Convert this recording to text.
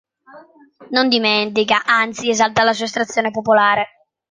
Non dimentica, anzi esalta la sua estrazione popolare.